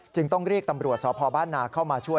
ต้องเรียกตำรวจสพบ้านนาเข้ามาช่วย